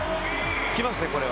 来ますね、これは。